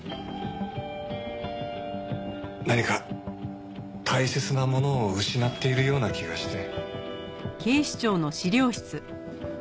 何か大切なものを失っているような気がして。